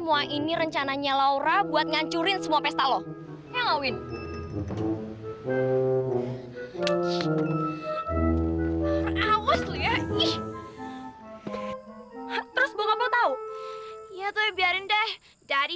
main telur nasi telur nasi telur nasi